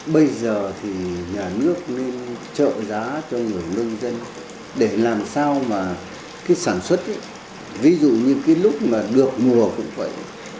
bây giờ thì nhà nước nên trợ giá cho người nông dân để làm sao mà cái sản xuất ví dụ như cái lúc mà được mùa cũng vậy